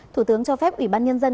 thủ tướng cho phép ủy ban nhân dân